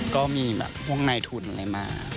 ก็มีพวกนายทุนมา